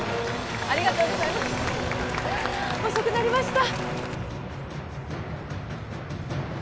ありがとうございます遅くなりました